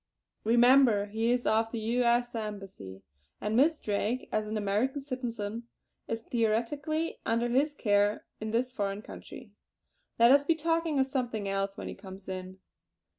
Remember he is of the U. S. Embassy; and Miss Drake, as an American citizen, is theoretically under his care in this foreign country. Let us be talking of something else when he comes in!"